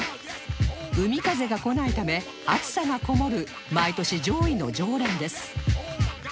海風が来ないため暑さがこもる毎年上位の常連です